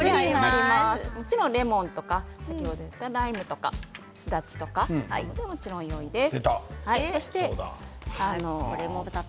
もちろんレモンとかライムとか、すだちでももちろんよいです。